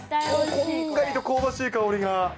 こんがりと香ばしい香りが。